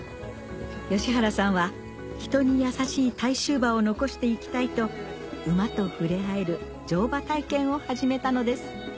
吉原さんは人に優しい対州馬を残していきたいと馬と触れ合える乗馬体験を始めたのです